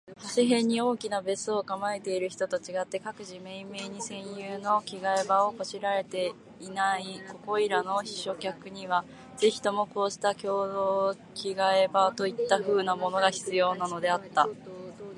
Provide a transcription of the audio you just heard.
長谷辺（はせへん）に大きな別荘を構えている人と違って、各自めいめいに専有の着換場（きがえば）を拵（こしら）えていないここいらの避暑客には、ぜひともこうした共同着換所といった風（ふう）なものが必要なのであった。